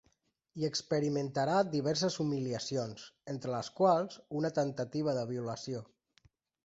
Hi experimentarà diverses humiliacions, entre les quals una temptativa de violació.